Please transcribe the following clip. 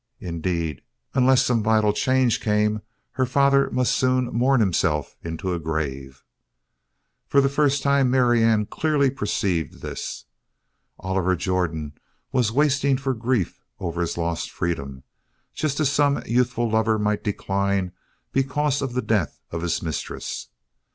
Indeed, unless some vital change came, her father must soon mourn himself into a grave. For the first time Marianne clearly perceived this. Oliver Jordan was wasting for grief over his lost freedom just as some youthful lover might decline because of the death of his mistress.